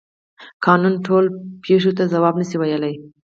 قانون ټولو پیښو ته ځواب نشي ویلی.